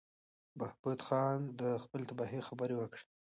بهبود خان د خپلې تباهۍ خبره وکړه.